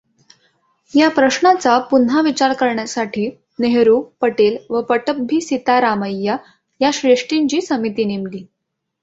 या प्रश्नाचा पुन्हा विचार करण्यासाठी नेहरू पटेल व पट्टभी सीतारामय्या या श्रेष्ठींची समिती नेमली.